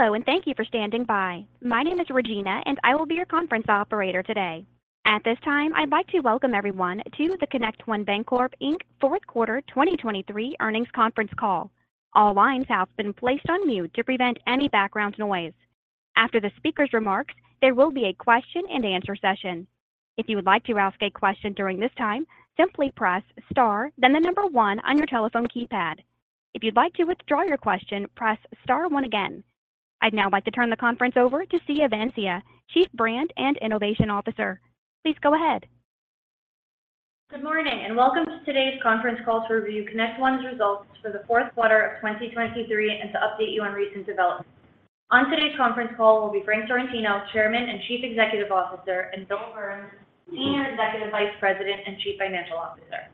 Hello, and thank you for standing by. My name is Regina, and I will be your conference operator today. At this time, I'd like to welcome everyone to the ConnectOne Bancorp, Inc. fourth quarter 2023 earnings conference call. All lines have been placed on mute to prevent any background noise. After the speaker's remarks, there will be a question-and-answer session. If you would like to ask a question during this time, simply press Star, then the number one on your telephone keypad. If you'd like to withdraw your question, press Star one again. I'd now like to turn the conference over to Siya Vansia, Chief Brand and Innovation Officer. Please go ahead. Good morning, and welcome to today's conference call to review ConnectOne's results for the fourth quarter of 2023 and to update you on recent developments. On today's conference call will be Frank Sorrentino, Chairman and Chief Executive Officer, and Bill Burns, Senior Executive Vice President and Chief Financial Officer.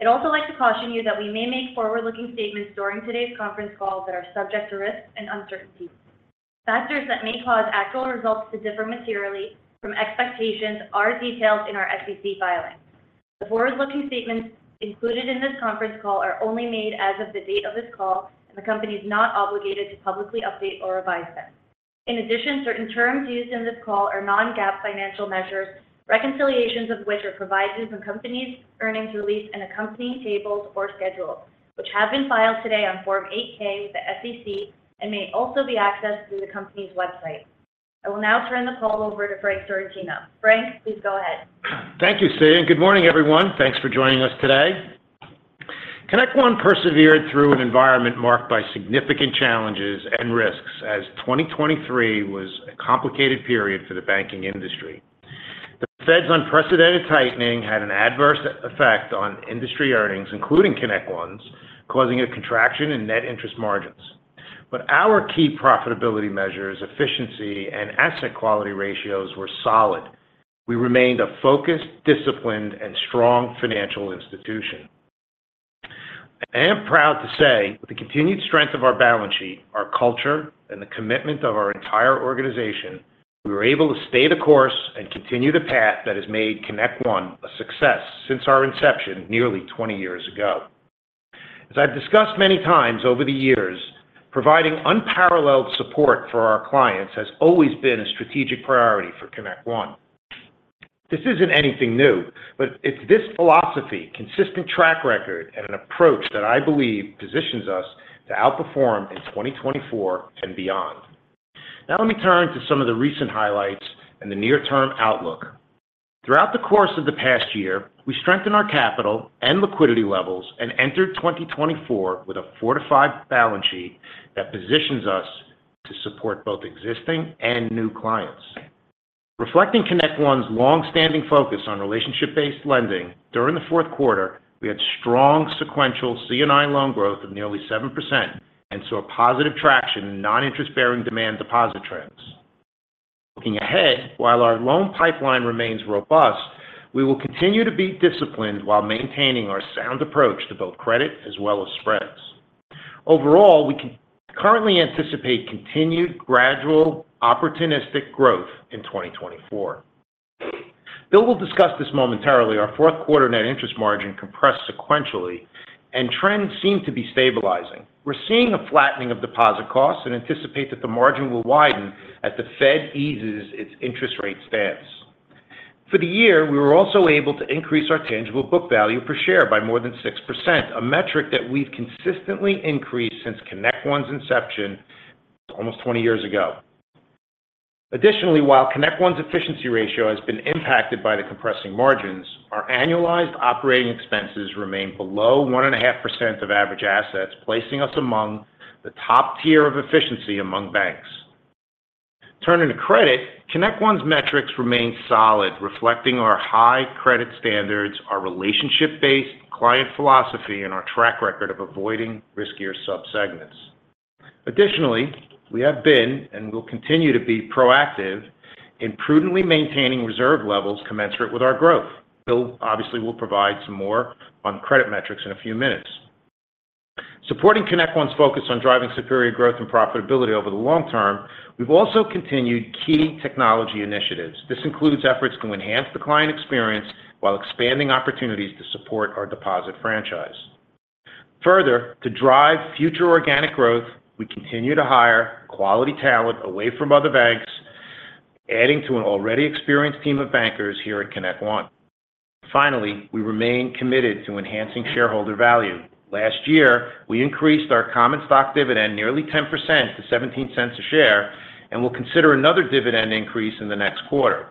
I'd also like to caution you that we may make forward-looking statements during today's conference call that are subject to risks and uncertainties. Factors that may cause actual results to differ materially from expectations are detailed in our SEC filings. The forward-looking statements included in this conference call are only made as of the date of this call, and the company is not obligated to publicly update or revise them. In addition, certain terms used in this call are non-GAAP financial measures, reconciliations of which are provided in the company's earnings release and accompanying tables or schedules, which have been filed today on Form 8-K with the SEC and may also be accessed through the company's website. I will now turn the call over to Frank Sorrentino. Frank, please go ahead. Thank you, Siya, and good morning, everyone. Thanks for joining us today. ConnectOne persevered through an environment marked by significant challenges and risks, as 2023 was a complicated period for the banking industry. The Fed's unprecedented tightening had an adverse effect on industry earnings, including ConnectOne's, causing a contraction in net interest margins. Our key profitability measures, efficiency, and asset quality ratios were solid. We remained a focused, disciplined, and strong financial institution. I am proud to say, with the continued strength of our balance sheet, our culture, and the commitment of our entire organization, we were able to stay the course and continue the path that has made ConnectOne a success since our inception nearly 20 years ago. As I've discussed many times over the years, providing unparalleled support for our clients has always been a strategic priority for ConnectOne. This isn't anything new, but it's this philosophy, consistent track record, and an approach that I believe positions us to outperform in 2024 and beyond. Now, let me turn to some of the recent highlights and the near-term outlook. Throughout the course of the past year, we strengthened our capital and liquidity levels and entered 2024 with a fortified balance sheet that positions us to support both existing and new clients. Reflecting ConnectOne's long-standing focus on relationship-based lending, during the fourth quarter, we had strong sequential C&I loan growth of nearly 7% and saw positive traction in non-interest-bearing demand deposit trends. Looking ahead, while our loan pipeline remains robust, we will continue to be disciplined while maintaining our sound approach to both credit as well as spreads. Overall, we can currently anticipate continued, gradual, opportunistic growth in 2024. Bill will discuss this momentarily. Our fourth quarter net interest margin compressed sequentially and trends seem to be stabilizing. We're seeing a flattening of deposit costs and anticipate that the margin will widen as the Fed eases its interest rate stance. For the year, we were also able to increase our tangible book value per share by more than 6%, a metric that we've consistently increased since ConnectOne's inception almost 20 years ago. Additionally, while ConnectOne's efficiency ratio has been impacted by the compressing margins, our annualized operating expenses remain below 1.5% of average assets, placing us among the top tier of efficiency among banks. Turning to credit, ConnectOne's metrics remain solid, reflecting our high credit standards, our relationship-based client philosophy, and our track record of avoiding riskier subsegments. Additionally, we have been and will continue to be proactive in prudently maintaining reserve levels commensurate with our growth. Bill obviously will provide some more on credit metrics in a few minutes. Supporting ConnectOne's focus on driving superior growth and profitability over the long term, we've also continued key technology initiatives. This includes efforts to enhance the client experience while expanding opportunities to support our deposit franchise. Further, to drive future organic growth, we continue to hire quality talent away from other banks, adding to an already experienced team of bankers here at ConnectOne. Finally, we remain committed to enhancing shareholder value. Last year, we increased our common stock dividend nearly 10% to $0.17 a share, and we'll consider another dividend increase in the next quarter.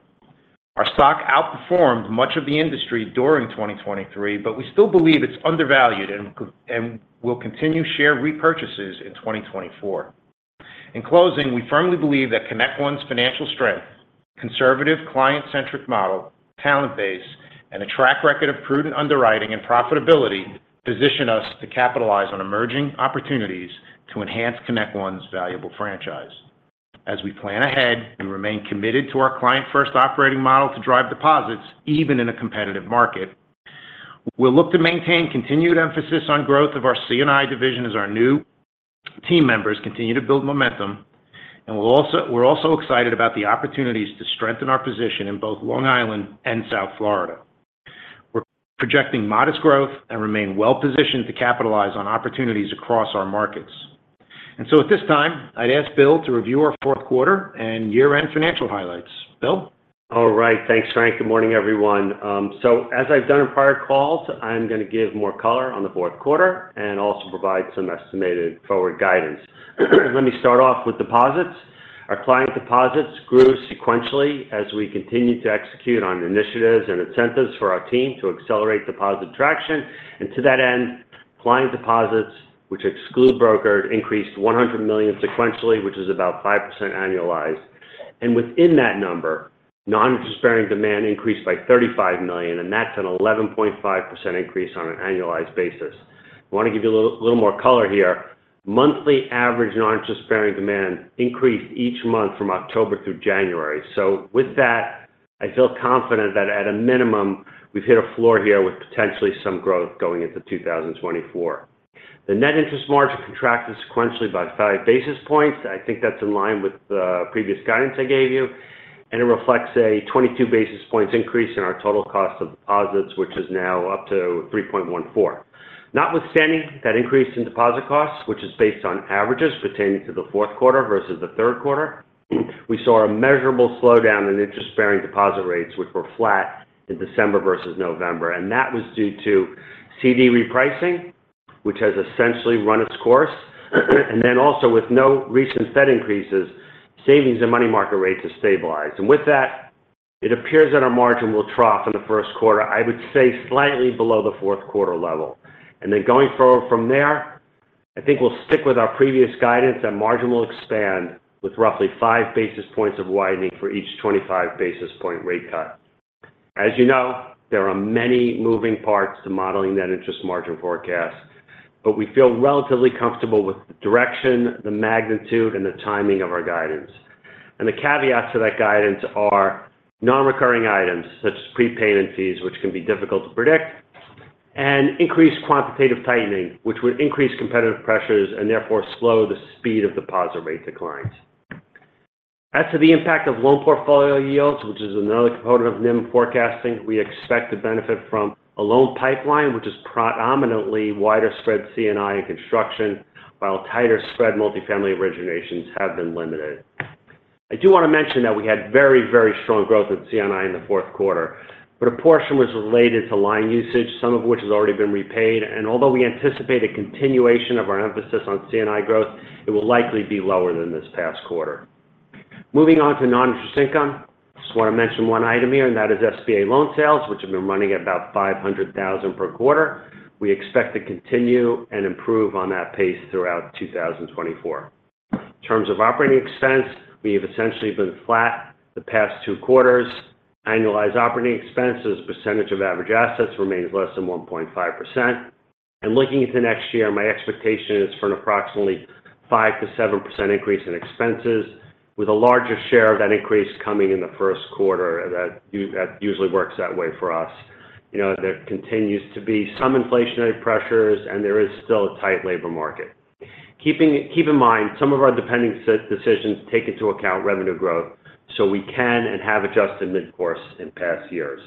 Our stock outperformed much of the industry during 2023, but we still believe it's undervalued and we'll continue share repurchases in 2024. In closing, we firmly believe that ConnectOne's financial strength, conservative client-centric model, talent base, and a track record of prudent underwriting and profitability position us to capitalize on emerging opportunities to enhance ConnectOne's valuable franchise. As we plan ahead and remain committed to our client-first operating model to drive deposits, even in a competitive market, we'll look to maintain continued emphasis on growth of our C&I division as our new team members continue to build momentum. We're also excited about the opportunities to strengthen our position in both Long Island and South Florida. We're projecting modest growth and remain well-positioned to capitalize on opportunities across our markets. And so at this time, I'd ask Bill to review our fourth quarter and year-end financial highlights. Bill? All right. Thanks, Frank. Good morning, everyone. So as I've done in prior calls, I'm going to give more color on the fourth quarter and also provide some estimated forward guidance. Let me start off with deposits. Our client deposits grew sequentially as we continued to execute on initiatives and incentives for our team to accelerate deposit traction. And to that end, client deposits, which exclude brokered, increased $100 million sequentially, which is about 5% annualized. And within that number, non-interest-bearing demand increased by $35 million, and that's an 11.5% increase on an annualized basis. I want to give you a little, little more color here. Monthly average non-interest-bearing demand increased each month from October through January. So with that, I feel confident that at a minimum, we've hit a floor here with potentially some growth going into 2024. The net interest margin contracted sequentially by 5 basis points. I think that's in line with the previous guidance I gave you, and it reflects a 22 basis points increase in our total cost of deposits, which is now up to 3.14%. Notwithstanding that increase in deposit costs, which is based on averages pertaining to the fourth quarter versus the third quarter, we saw a measurable slowdown in interest-bearing deposit rates, which were flat in December versus November. That was due to CD repricing, which has essentially run its course. Then also, with no recent Fed increases, savings and money market rates have stabilized. With that, it appears that our margin will trough in the first quarter, I would say slightly below the fourth quarter level. Going forward from there, I think we'll stick with our previous guidance that margin will expand with roughly 5 basis points of widening for each 25 basis point rate cut. As you know, there are many moving parts to modeling that interest margin forecast, but we feel relatively comfortable with the direction, the magnitude, and the timing of our guidance. The caveats to that guidance are non-recurring items such as prepayment fees, which can be difficult to predict, and increased quantitative tightening, which would increase competitive pressures and therefore slow the speed of deposit rate declines. As to the impact of loan portfolio yields, which is another component of NIM forecasting, we expect to benefit from a loan pipeline, which is predominantly wider spread C&I in construction, while tighter spread multifamily originations have been limited. I do want to mention that we had very, very strong growth in C&I in the fourth quarter, but a portion was related to line usage, some of which has already been repaid, and although we anticipate a continuation of our emphasis on C&I growth, it will likely be lower than this past quarter. Moving on to non-interest income. Just want to mention one item here, and that is SBA loan sales, which have been running at about $500,000 per quarter. We expect to continue and improve on that pace throughout 2024. In terms of operating expense, we have essentially been flat the past two quarters. Annualized operating expense as a percentage of average assets remains less than 1.5%. Looking into next year, my expectation is for an approximately 5%-7% increase in expenses, with a larger share of that increase coming in the first quarter. That usually works that way for us. You know, there continues to be some inflationary pressures, and there is still a tight labor market. Keep in mind, some of our spending decisions take into account revenue growth, so we can and have adjusted mid-course in past years.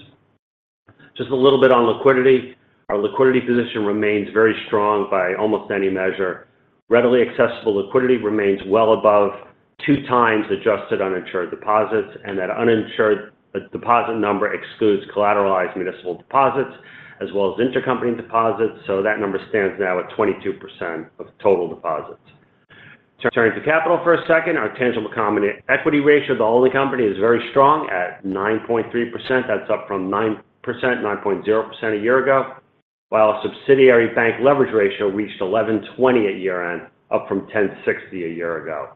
Just a little bit on liquidity. Our liquidity position remains very strong by almost any measure. Readily accessible liquidity remains well above 2 times adjusted uninsured deposits, and that uninsured deposit number excludes collateralized municipal deposits as well as intercompany deposits, so that number stands now at 22% of total deposits. Turning to capital for a second, our tangible common equity ratio of the holding company is very strong at 9.3%. That's up from 9%, 9.0% a year ago, while subsidiary bank leverage ratio reached 11.20 at year-end, up from 10.60 a year ago.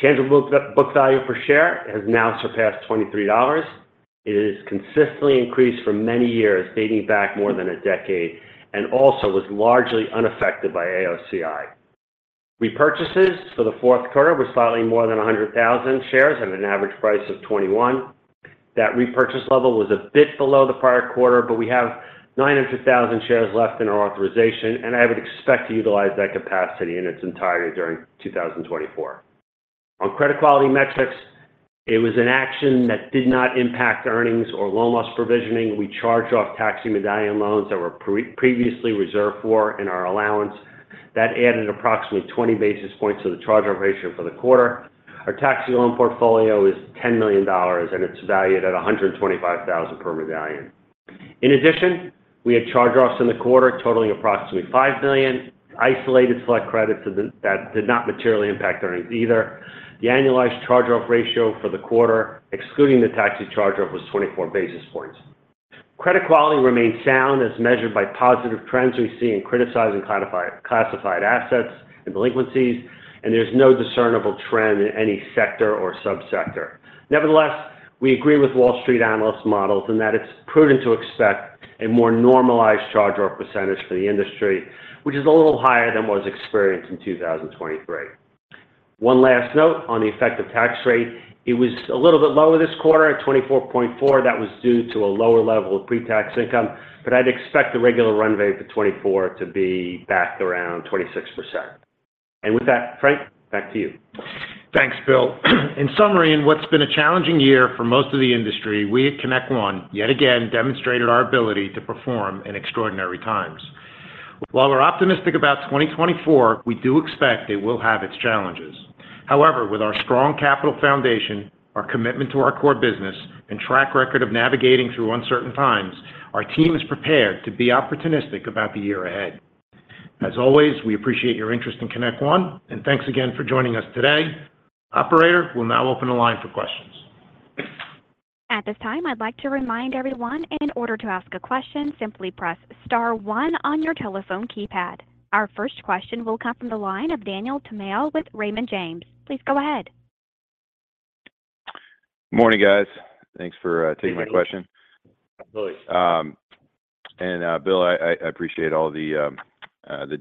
Tangible book value per share has now surpassed $23. It has consistently increased for many years, dating back more than a decade, and also was largely unaffected by AOCI. Repurchases for the fourth quarter were slightly more than 100,000 shares at an average price of $21. That repurchase level was a bit below the prior quarter, but we have 900,000 shares left in our authorization, and I would expect to utilize that capacity in its entirety during 2024. On credit quality metrics, it was an action that did not impact earnings or loan loss provisioning. We charged off taxi medallion loans that were previously reserved for in our allowance. That added approximately 20 basis points to the charge-off ratio for the quarter. Our taxi loan portfolio is $10 million, and it's valued at 125,000 per medallion. In addition, we had charge-offs in the quarter totaling approximately $5 million, isolated select credits that did not materially impact earnings either. The annualized charge-off ratio for the quarter, excluding the taxi charge-off, was 24 basis points. Credit quality remains sound as measured by positive trends we see in classified assets and delinquencies, and there's no discernible trend in any sector or subsector. Nevertheless, we agree with Wall Street analyst models and that it's prudent to expect a more normalized charge-off percentage for the industry, which is a little higher than what was experienced in 2023. One last note on the effective tax rate. It was a little bit lower this quarter at 24.4%. That was due to a lower level of pre-tax income, but I'd expect the regular runway for 2024 to be back around 26%. And with that, Frank, back to you. Thanks, Bill. In summary, in what's been a challenging year for most of the industry, we at ConnectOne, yet again, demonstrated our ability to perform in extraordinary times. While we're optimistic about 2024, we do expect it will have its challenges. However, with our strong capital foundation, our commitment to our core business, and track record of navigating through uncertain times, our team is prepared to be opportunistic about the year ahead. As always, we appreciate your interest in ConnectOne, and thanks again for joining us today. Operator, we'll now open the line for questions. At this time, I'd like to remind everyone, in order to ask a question, simply press star one on your telephone keypad. Our first question will come from the line of Daniel Tamayo with Raymond James. Please go ahead. Morning, guys. Thanks for taking my question. Good morning. Absolutely. Bill, I appreciate all the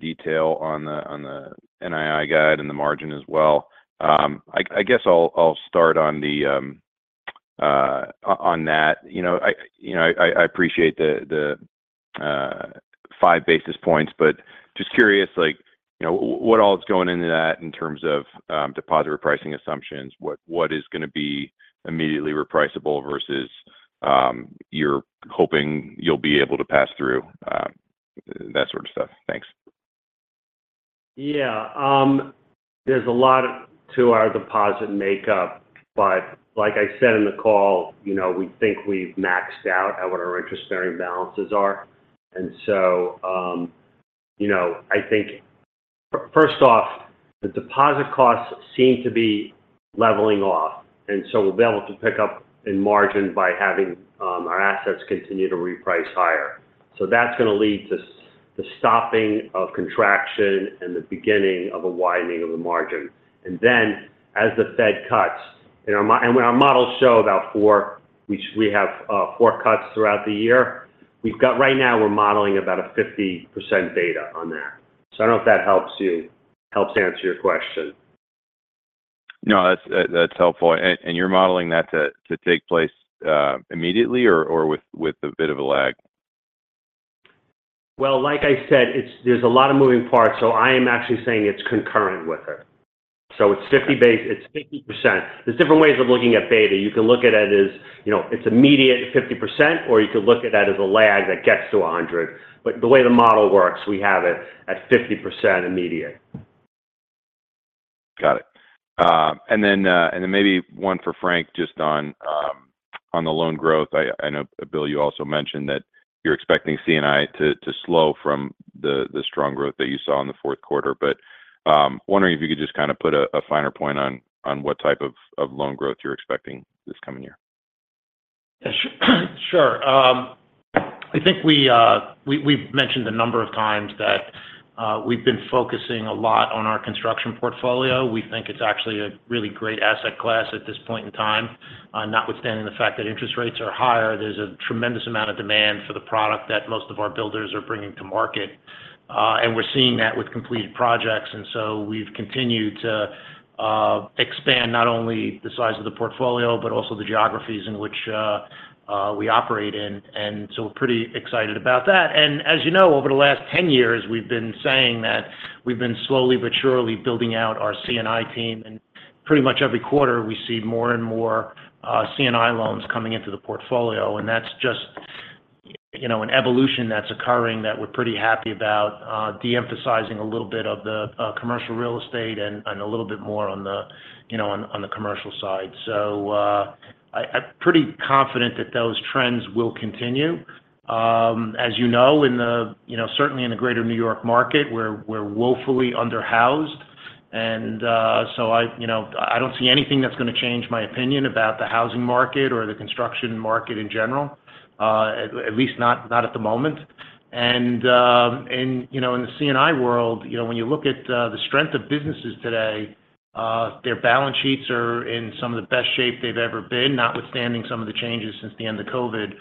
detail on the NII guide and the margin as well. I guess I'll start on that. You know, I appreciate the five basis points, but just curious, like, you know, what all is going into that in terms of deposit repricing assumptions? What is going to be immediately repriceable versus you're hoping you'll be able to pass through? That sort of stuff. Thanks. Yeah. There's a lot to our deposit makeup, but like I said in the call, you know, we think we've maxed out at what our interest-bearing balances are. And so, you know, I think, first off, the deposit costs seem to be leveling off, and so we'll be able to pick up in margin by having our assets continue to reprice higher. So that's going to lead to the stopping of contraction and the beginning of a widening of the margin. And then, as the Fed cuts, and our models show about four, we, we have four cuts throughout the year. Right now, we're modeling about a 50% beta on that. So I don't know if that helps you, helps to answer your question. No, that's helpful. And you're modeling that to take place immediately or with a bit of a lag? Well, like I said, it's, there's a lot of moving parts, so I am actually saying it's concurrent with it. So it's 50%. There's different ways of looking at beta. You can look at it as, you know, it's immediate 50%, or you could look at it as a lag that gets to 100. But the way the model works, we have it at 50% immediate. Got it. And then maybe one for Frank, just on the loan growth. I know, Bill, you also mentioned that you're expecting C&I to slow from the strong growth that you saw in the fourth quarter. But, wondering if you could just kind of put a finer point on what type of loan growth you're expecting this coming year. Yeah, sure. I think we've mentioned a number of times that we've been focusing a lot on our construction portfolio. We think it's actually a really great asset class at this point in time. Notwithstanding the fact that interest rates are higher, there's a tremendous amount of demand for the product that most of our builders are bringing to market. And we're seeing that with completed projects, and so we've continued to expand not only the size of the portfolio, but also the geographies in which we operate in. And so we're pretty excited about that. And as you know, over the last 10 years, we've been saying that we've been slowly but surely building out our C&I team, and pretty much every quarter, we see more and more C&I loans coming into the portfolio. And that's just, you know, an evolution that's occurring that we're pretty happy about, de-emphasizing a little bit of the commercial real estate and a little bit more on the, you know, on the commercial side. So, I’m pretty confident that those trends will continue. As you know, in the, you know, certainly in the greater New York market, we're woefully underhoused, and, so I, you know, I don't see anything that's going to change my opinion about the housing market or the construction market in general, at least not at the moment. And, and, you know, in the C&I world, you know, when you look at the strength of businesses today, their balance sheets are in some of the best shape they've ever been, notwithstanding some of the changes since the end of COVID.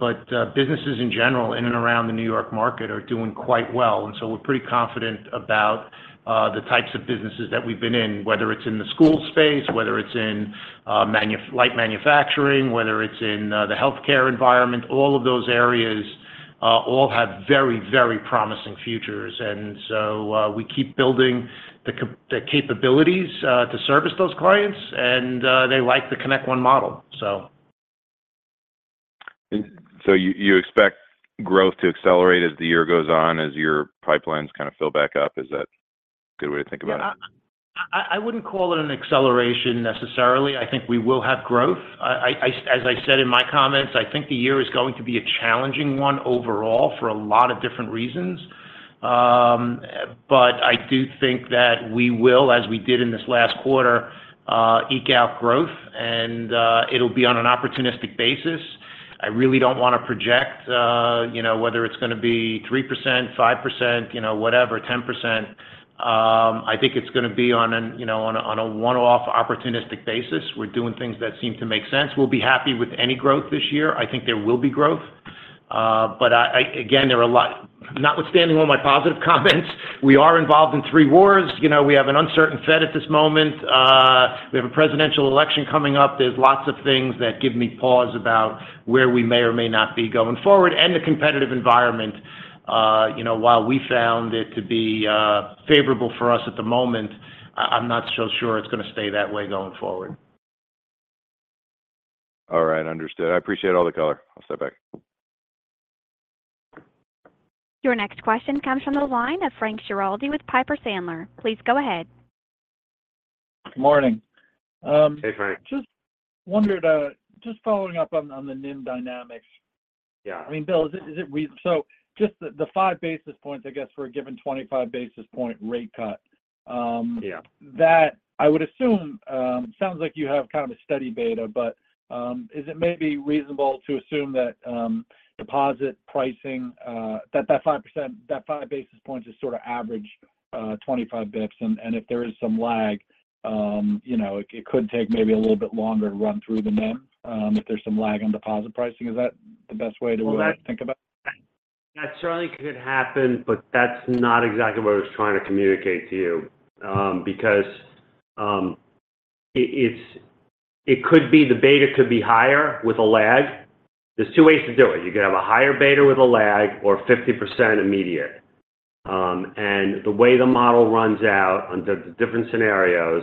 But businesses in general, in and around the New York market, are doing quite well. And so we're pretty confident about the types of businesses that we've been in, whether it's in the school space, whether it's in light manufacturing, whether it's in the healthcare environment, all of those areas all have very, very promising futures. And so we keep building the capabilities to service those clients, and they like the ConnectOne model, so. And so you, you expect growth to accelerate as the year goes on, as your pipelines kind of fill back up? Is that a good way to think about it? Yeah, I wouldn't call it an acceleration necessarily. I think we will have growth. As I said in my comments, I think the year is going to be a challenging one overall for a lot of different reasons. But I do think that we will, as we did in this last quarter, eke out growth, and it'll be on an opportunistic basis. I really don't want to project, you know, whether it's going to be 3%, 5%, you know, whatever, 10%. I think it's going to be on an, you know, on a, on a one-off opportunistic basis. We're doing things that seem to make sense. We'll be happy with any growth this year. I think there will be growth. But I... Again, there are a lot, notwithstanding all my positive comments, we are involved in three wars. You know, we have an uncertain Fed at this moment. We have a presidential election coming up. There's lots of things that give me pause about where we may or may not be going forward. And the competitive environment, you know, while we found it to be favorable for us at the moment, I'm not so sure it's going to stay that way going forward.... All right, understood. I appreciate all the color. I'll step back. Your next question comes from the line of Frank Schiraldi with Piper Sandler. Please go ahead. Morning. Hey, Frank. Just wondered, just following up on the NIM dynamics. Yeah. I mean, Bill, so just the 5 basis points, I guess, for a given 25 basis point rate cut? Yeah... that I would assume, sounds like you have kind of a steady beta, but, is it maybe reasonable to assume that deposit pricing, that 5%, that 5 basis points is sort of average, 25 basis points? And if there is some lag, you know, it could take maybe a little bit longer to run through the NIM, if there's some lag on deposit pricing. Is that the best way to think about it? That certainly could happen, but that's not exactly what I was trying to communicate to you. Because it could be the beta could be higher with a lag. There's two ways to do it: you could have a higher beta with a lag or 50% immediate. And the way the model runs out under the different scenarios,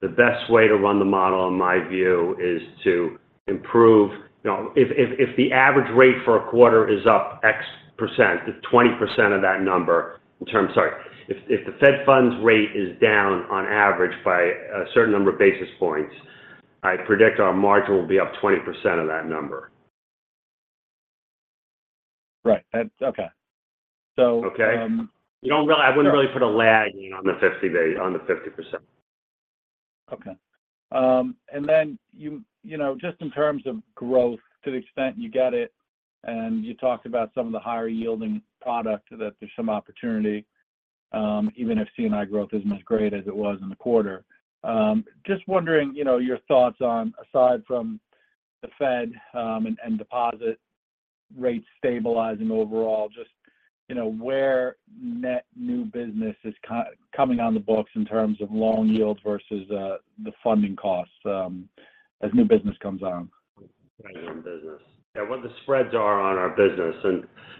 the best way to run the model, in my view, is to improve... You know, if the average rate for a quarter is up X%, 20% of that number in terms—sorry, if the Fed funds rate is down on average by a certain number of basis points, I predict our margin will be up 20% of that number. Right. That's okay. So, Okay? You don't really. I wouldn't really put a lag on the 50 basis points on the 50%. Okay. And then you, you know, just in terms of growth, to the extent you get it, and you talked about some of the higher-yielding product, that there's some opportunity, even if C&I growth isn't as great as it was in the quarter. Just wondering, you know, your thoughts on, aside from the Fed, and deposit rates stabilizing overall, just, you know, where net new business is coming on the books in terms of loan yields versus the funding costs, as new business comes on? New business. Yeah, what the spreads are on our business.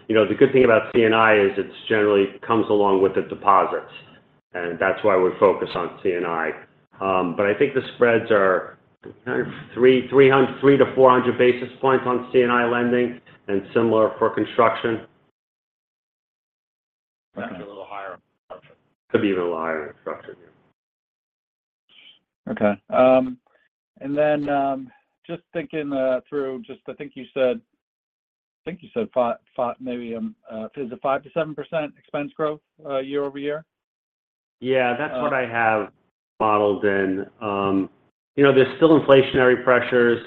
You know, the good thing about C&I is it's generally comes along with the deposits, and that's why we focus on C&I. But I think the spreads are kind of 300-400 basis points on C&I lending and similar for construction. Maybe a little higher on construction. Could be a little higher on construction, yeah. Okay, and then, just thinking through, I think you said, I think you said 5%-7% expense growth, year-over-year? Yeah, that's what I have modeled in. You know, there's still inflationary pressures.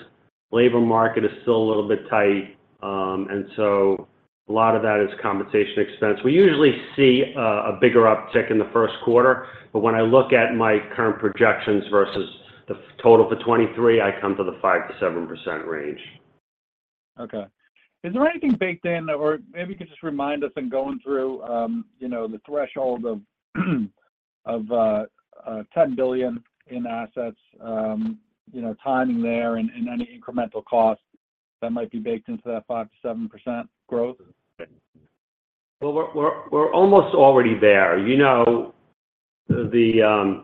Labor market is still a little bit tight. And so a lot of that is compensation expense. We usually see a bigger uptick in the first quarter, but when I look at my current projections versus the total for 2023, I come to the 5%-7% range. Okay. Is there anything baked in or maybe you could just remind us in going through, you know, the threshold of $10 billion in assets, you know, timing there and any incremental costs that might be baked into that 5%-7% growth? Well, we're almost already there. You know, the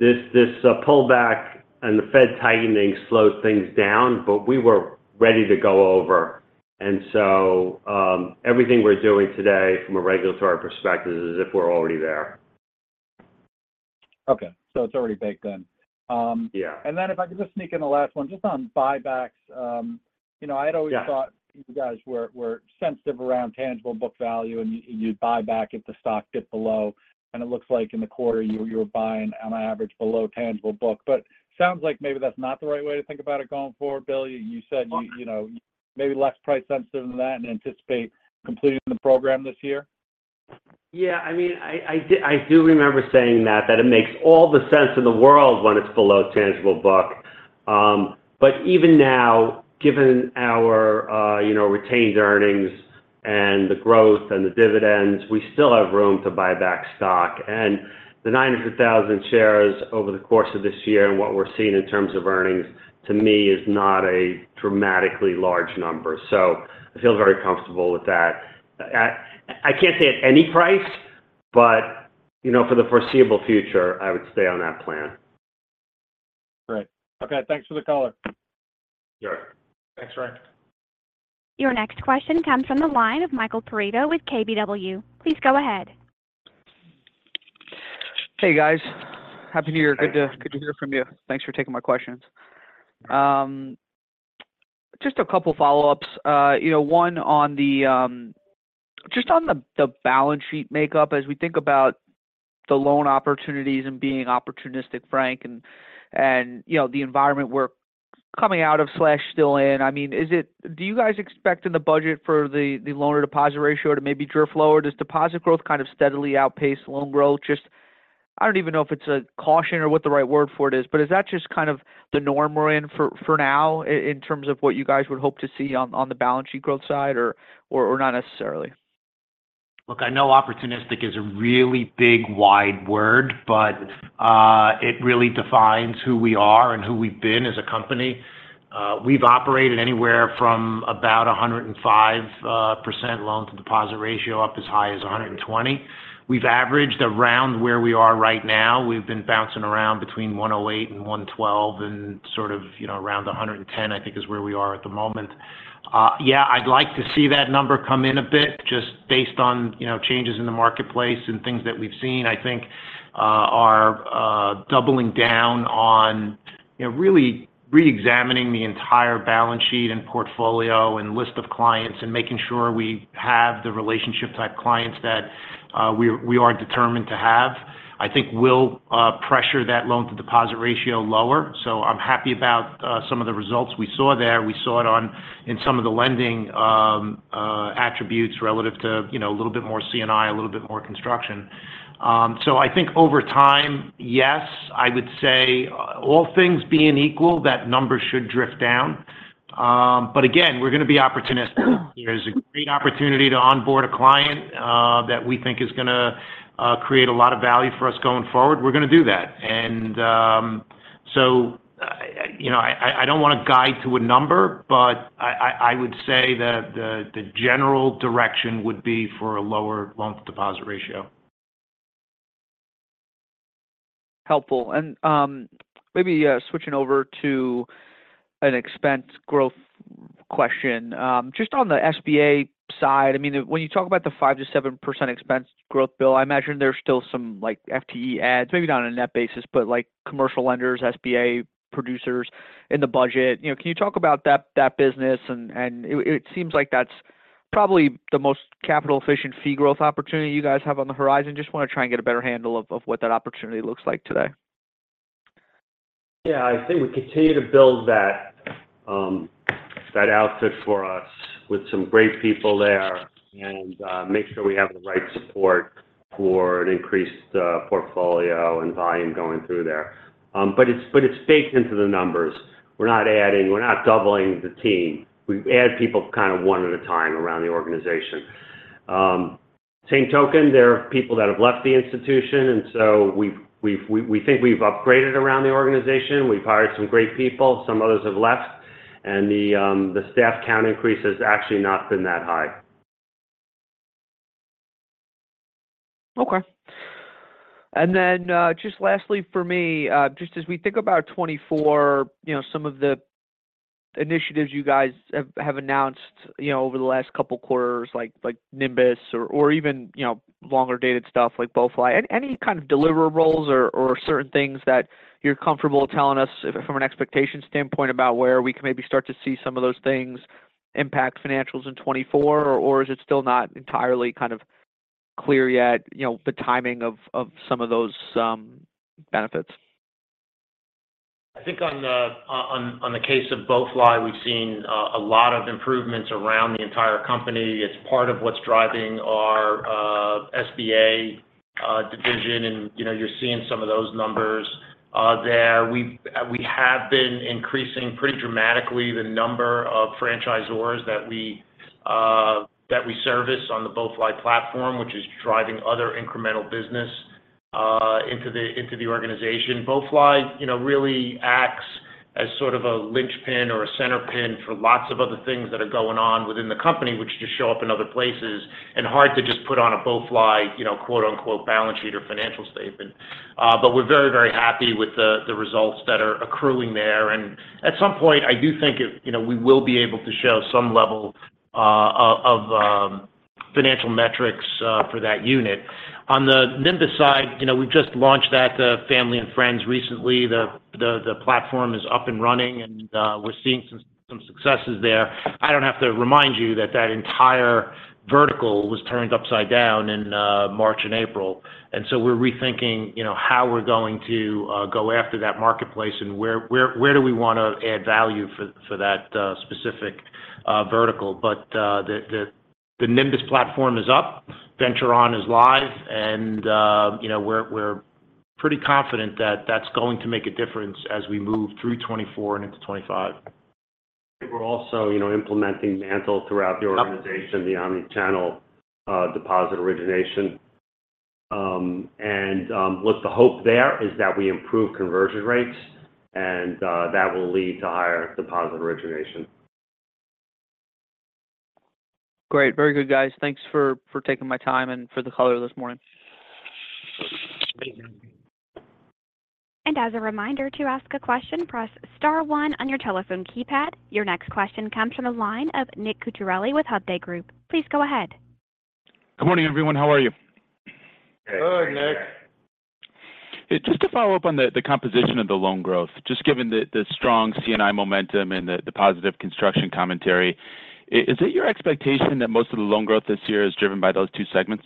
pullback and the Fed tightening slowed things down, but we were ready to go over. And so, everything we're doing today from a regulatory perspective is as if we're already there. Okay. So it's already baked in. Um, yeah. And then if I could just sneak in the last one, just on buybacks. You know, I'd always- Yeah... thought you guys were sensitive around tangible book value, and you, you'd buy back if the stock dipped below. And it looks like in the quarter, you were buying on an average below tangible book. But sounds like maybe that's not the right way to think about it going forward, Bill. You said, you know, maybe less price sensitive than that and anticipate completing the program this year? Yeah, I mean, I do remember saying that, that it makes all the sense in the world when it's below tangible book. But even now, given our, you know, retained earnings and the growth and the dividends, we still have room to buy back stock. And the 900,000 shares over the course of this year and what we're seeing in terms of earnings, to me, is not a dramatically large number. So I feel very comfortable with that. I can't say at any price, but, you know, for the foreseeable future, I would stay on that plan. Great. Okay, thanks for the color. Sure. Thanks, Frank. Your next question comes from the line of Michael Perito with KBW. Please go ahead. Hey, guys. Happy New Year. Hey. Good to hear from you. Thanks for taking my questions. Just a couple follow-ups. You know, one on the balance sheet makeup, as we think about the loan opportunities and being opportunistic, Frank, and, you know, the environment we're coming out of or still in, I mean, is it— do you guys expect in the budget for the loan-to-deposit ratio to maybe drift lower? Does deposit growth kind of steadily outpace loan growth? Just, I don't even know if it's a caution or what the right word for it is, but is that just kind of the norm we're in for now in terms of what you guys would hope to see on the balance sheet growth side or not necessarily? ...Look, I know opportunistic is a really big, wide word, but it really defines who we are and who we've been as a company. We've operated anywhere from about 105% loan-to-deposit ratio, up as high as 120. We've averaged around where we are right now. We've been bouncing around between 108 and 112, and sort of, you know, around 110, I think is where we are at the moment. Yeah, I'd like to see that number come in a bit, just based on, you know, changes in the marketplace and things that we've seen. I think, our doubling down on, you know, really reexamining the entire balance sheet and portfolio and list of clients and making sure we have the relationship-type clients that we are determined to have. I think we'll pressure that loan-to-deposit ratio lower. So I'm happy about some of the results we saw there. We saw it in some of the lending attributes relative to, you know, a little bit more C&I, a little bit more construction. So I think over time, yes, I would say all things being equal, that number should drift down. But again, we're going to be opportunistic. If there's a great opportunity to onboard a client that we think is going to create a lot of value for us going forward, we're going to do that. And so, you know, I don't want to guide to a number, but I would say that the general direction would be for a lower loan-to-deposit ratio. Helpful. And, maybe, switching over to an expense growth question. Just on the SBA side, I mean, when you talk about the 5%-7% expense growth bill, I imagine there's still some, like, FTE ads, maybe not on a net basis, but like commercial lenders, SBA producers in the budget. You know, can you talk about that, that business and, and it, it seems like that's probably the most capital-efficient fee growth opportunity you guys have on the horizon. Just want to try and get a better handle of, of what that opportunity looks like today. Yeah, I think we continue to build that outfit for us with some great people there, and make sure we have the right support for an increased portfolio and volume going through there. But it's baked into the numbers. We're not adding, we're not doubling the team. We've added people kind of one at a time around the organization. Same token, there are people that have left the institution, and so we think we've upgraded around the organization. We've hired some great people, some others have left, and the staff count increase has actually not been that high. Okay. And then, just lastly for me, just as we think about 2024, you know, some of the initiatives you guys have announced, you know, over the last couple of quarters, like Nymbus or even, you know, longer-dated stuff like BoeFly. Any kind of deliverables or certain things that you're comfortable telling us from an expectation standpoint about where we can maybe start to see some of those things impact financials in 2024? Or is it still not entirely kind of clear yet, you know, the timing of some of those benefits? I think on the case of BoeFly, we've seen a lot of improvements around the entire company. It's part of what's driving our SBA division, and you know, you're seeing some of those numbers there. We have been increasing pretty dramatically the number of franchisors that we service on the BoeFly platform, which is driving other incremental business into the organization. BoeFly you know, really acts as sort of a linchpin or a center pin for lots of other things that are going on within the company, which just show up in other places, and hard to just put on a BoeFly you know, quote-unquote, balance sheet or financial statement. But we're very very happy with the results that are accruing there. And at some point, I do think it, you know, we will be able to show some level of financial metrics for that unit. On the Nymbus side, you know, we've just launched that family and friends recently. The platform is up and running, and we're seeing some successes there. I don't have to remind you that that entire vertical was turned upside down in March and April. And so we're rethinking, you know, how we're going to go after that marketplace and where do we want to add value for that specific vertical. But the Nymbus platform is up, VentureOn is live, and you know, we're pretty confident that that's going to make a difference as we move through 2024 and into 2025. We're also, you know, implementing MANTL throughout the organization- Yep... the omni-channel deposit origination. Look, the hope there is that we improve conversion rates, and that will lead to higher deposit origination. Great. Very good, guys. Thanks for taking my time and for the color this morning. As a reminder, to ask a question, press Star One on your telephone keypad. Your next question comes from the line of Nick Cucharale with Hovde Group. Please go ahead. Good morning, everyone. How are you? Good, Nick. Hey. Just to follow up on the composition of the loan growth, just given the strong C&I momentum and the positive construction commentary, is it your expectation that most of the loan growth this year is driven by those two segments?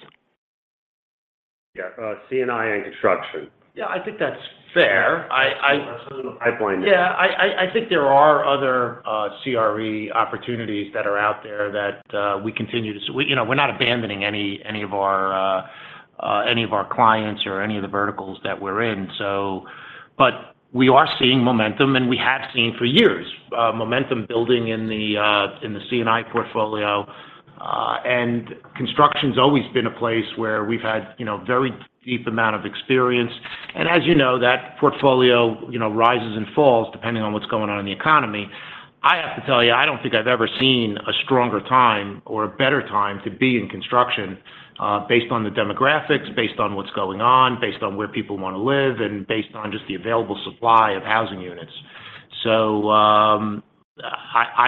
Yeah, C&I and construction. Yeah, I think that's fair. Pipeline. Yeah, I think there are other CRE opportunities that are out there that we continue to... you know, we're not abandoning any of our. ...any of our clients or any of the verticals that we're in. So, but we are seeing momentum, and we have seen for years, momentum building in the C&I portfolio. And construction's always been a place where we've had, you know, very deep amount of experience. And as you know, that portfolio, you know, rises and falls depending on what's going on in the economy. I have to tell you, I don't think I've ever seen a stronger time or a better time to be in construction, based on the demographics, based on what's going on, based on where people wanna live, and based on just the available supply of housing units. So, I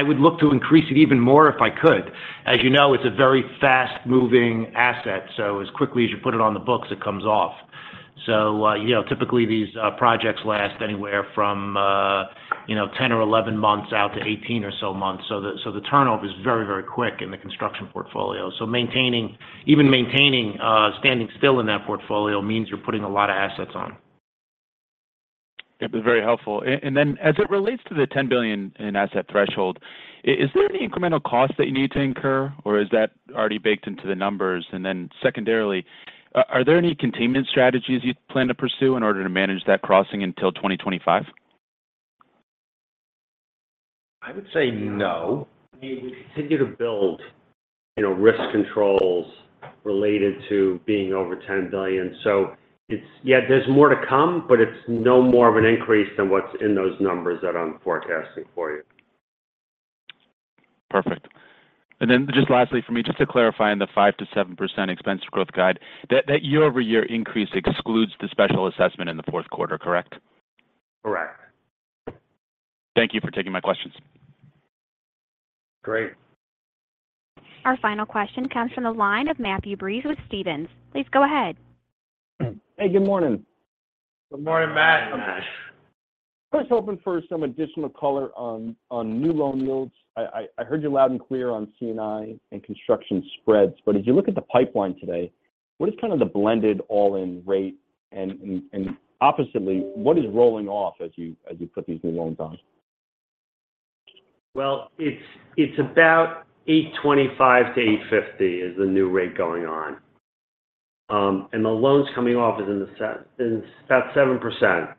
would look to increase it even more if I could. As you know, it's a very fast-moving asset, so as quickly as you put it on the books, it comes off. So, you know, typically these projects last anywhere from, you know, 10 or 11 months out to 18 or so months. So the, so the turnover is very, very quick in the construction portfolio. So maintaining, even maintaining, standing still in that portfolio means you're putting a lot of assets on. Yep, that's very helpful. And then, as it relates to the $10 billion in asset threshold, is there any incremental cost that you need to incur, or is that already baked into the numbers? And then, secondarily, are there any containment strategies you plan to pursue in order to manage that crossing until 2025? I would say no. I mean, we continue to build, you know, risk controls related to being over $10 billion. So it's... Yeah, there's more to come, but it's no more of an increase than what's in those numbers that I'm forecasting for you. Perfect. And then, just lastly for me, just to clarify on the 5%-7% expense growth guide, that, that year-over-year increase excludes the special assessment in the fourth quarter, correct? Correct. Thank you for taking my questions. Great. Our final question comes from the line of Matthew Breese with Stephens. Please go ahead. Hey, good morning. Good morning, Matt. Matt. I was hoping for some additional color on new loan yields. I heard you loud and clear on C&I and construction spreads, but as you look at the pipeline today, what is kind of the blended all-in rate? And oppositely, what is rolling off as you put these new loans on? Well, it's about 8.25-8.50 is the new rate going on. And the loans coming off is about 7%.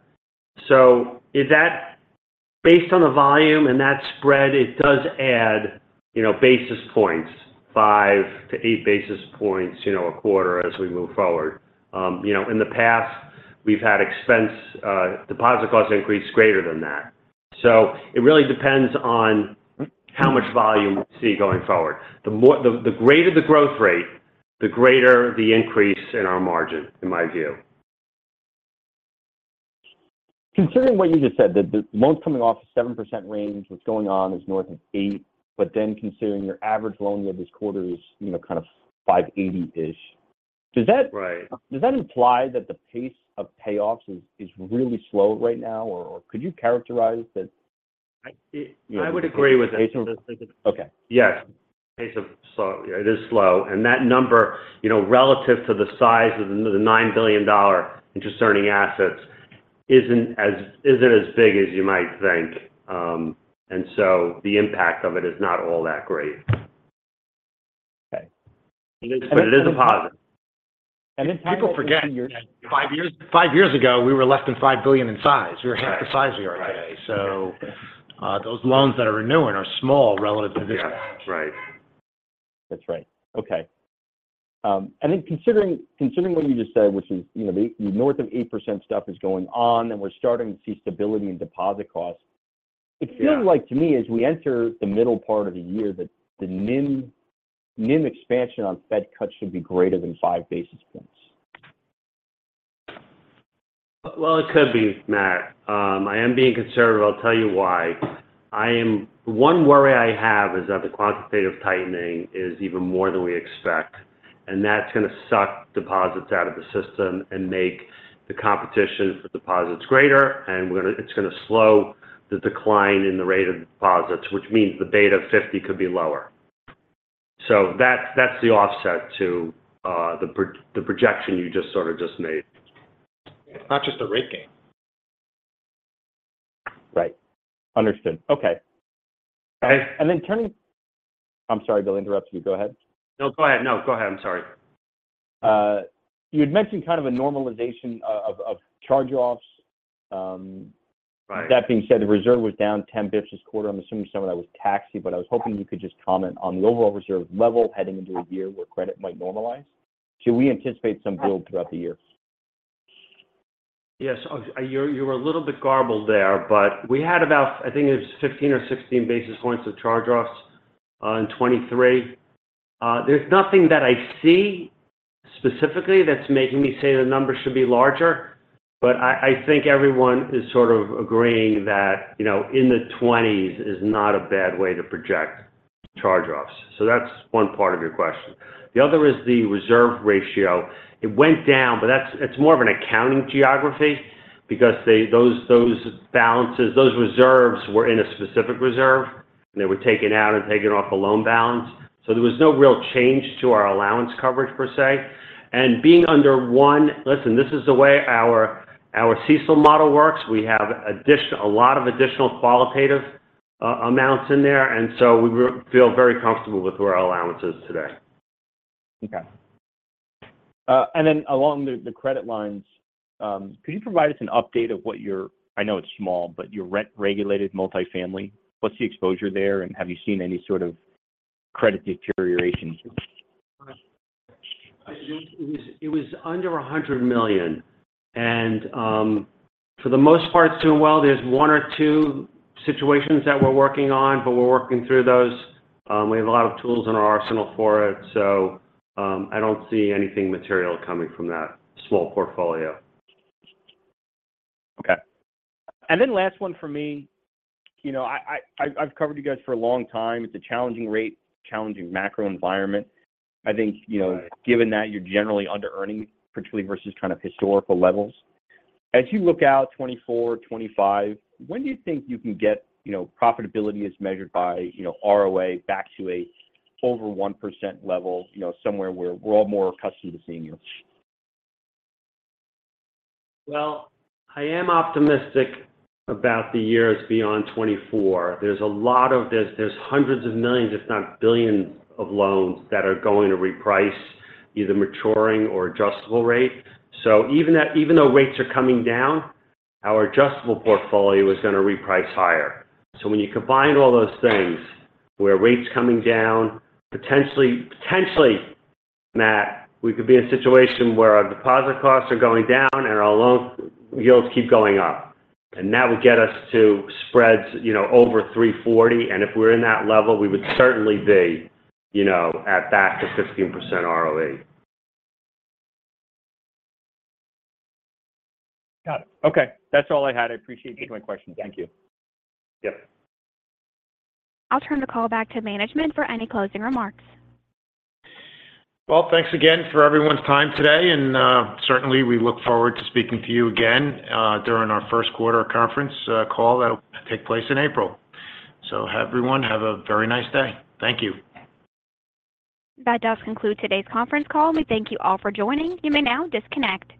So if that based on the volume and that spread, it does add, you know, basis points, 5-8 basis points, you know, a quarter as we move forward. You know, in the past, we've had expense, deposit costs increase greater than that. So it really depends on how much volume we see going forward. The greater the growth rate, the greater the increase in our margin, in my view. Considering what you just said, that the loans coming off is 7% range, what's going on is north of 8, but then considering your average loan yield this quarter is, you know, kind of 5.80-ish, does that- Right. Does that imply that the pace of payoffs is, is really slow right now, or, or could you characterize that? I would agree with that. Okay. Yes. Pace is slow. It is slow, and that number, you know, relative to the size of the $9 billion interest-earning assets, isn't as, isn't as big as you might think. And so the impact of it is not all that great. Okay. But it is a positive. People forget, 5 years, 5 years ago, we were less than $5 billion in size. Right. We were half the size we are today. Right. So, those loans that are renewing are small relative to this. Yeah. Right. That's right. Okay. And then considering what you just said, which is, you know, the north of 8% stuff is going on, and we're starting to see stability in deposit costs- Yeah. It feels like to me, as we enter the middle part of the year, that the NIM, NIM expansion on Fed cuts should be greater than five basis points. Well, it could be, Matt. I am being conservative. I'll tell you why. One worry I have is that the quantitative tightening is even more than we expect, and that's gonna suck deposits out of the system and make the competition for deposits greater, and we're gonna, it's gonna slow the decline in the rate of deposits, which means the beta 50 could be lower. So that's, that's the offset to, the projection you just sort of just made. It's not just a rate game. Right. Understood. Okay. Okay. And then turning... I'm sorry, Bill, to interrupt you. Go ahead. No, go ahead. No, go ahead. I'm sorry. You had mentioned kind of a normalization of charge-offs. Right. That being said, the reserve was down 10 basis points quarter-over-quarter. I'm assuming some of that was taxi, but I was hoping you could just comment on the overall reserve level heading into a year where credit might normalize. Should we anticipate some build throughout the year? Yes. You're, you were a little bit garbled there, but we had about, I think it was 15 or 16 basis points of charge-offs in 2023. There's nothing that I see specifically that's making me say the number should be larger, but I think everyone is sort of agreeing that, you know, in the 20s is not a bad way to project charge-offs. So that's one part of your question. The other is the reserve ratio. It went down, but that's - it's more of an accounting geography because they, those balances, those reserves were in a specific reserve, and they were taken out and taken off the loan balance. So there was no real change to our allowance coverage per se. And being under one - listen, this is the way our CECL model works. We have a lot of additional qualitative-... amounts in there, and so we feel very comfortable with our allowances today. Okay. And then along the credit lines, could you provide us an update of what your, I know it's small, but your rent-regulated multifamily, what's the exposure there, and have you seen any sort of credit deterioration? It was under $100 million. For the most part, it's doing well. There's one or two situations that we're working on, but we're working through those. We have a lot of tools in our arsenal for it, so I don't see anything material coming from that small portfolio. Okay. And then last one for me. You know, I've covered you guys for a long time. It's a challenging rate, challenging macro environment. I think, you know- Right... given that you're generally underearning, particularly versus kind of historical levels. As you look out 2024, 2025, when do you think you can get, you know, profitability as measured by, you know, ROA back to a over 1% level, you know, somewhere where we're all more accustomed to seeing you? Well, I am optimistic about the years beyond 2024. There's a lot of this. There's $hundreds of millions, if not $billions, of loans that are going to reprice, either maturing or adjustable rate. So even that, even though rates are coming down, our adjustable portfolio is going to reprice higher. So when you combine all those things, where rates coming down, potentially, potentially, Matt, we could be in a situation where our deposit costs are going down and our loan yields keep going up. And that would get us to spreads, you know, over 340, and if we're in that level, we would certainly be, you know, at back to 15% ROE. Got it. Okay. That's all I had. I appreciate you taking my questions. Thank you. Yep. I'll turn the call back to management for any closing remarks. Well, thanks again for everyone's time today, and certainly, we look forward to speaking to you again during our first quarter conference call that will take place in April. Everyone, have a very nice day. Thank you. That does conclude today's conference call. We thank you all for joining. You may now disconnect.